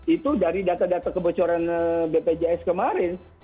itu dari data data kebocoran bpjs kemarin